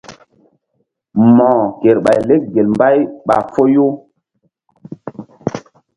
Mo̧ko kerɓay lek gel mbay ɓa foyu.